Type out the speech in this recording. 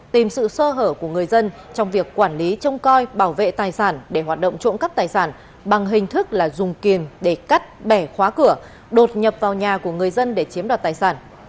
tìm sự sơ hở của người dân trong việc quản lý trông coi bảo vệ tài sản để hoạt động trộm cắp tài sản bằng hình thức là dùng kiềm để cắt bẻ khóa cửa đột nhập vào nhà của người dân để chiếm đoạt tài sản